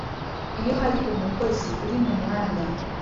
iyo hari umukozi uri mu mwanya